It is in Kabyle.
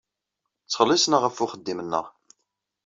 Ttxelliṣen-aɣ ɣef uxeddim-nneɣ.